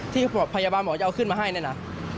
ที่พยาบาลหมอจะเอาขึ้นมาให้เนี่ยนะ